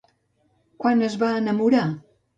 Quan es va enamorar?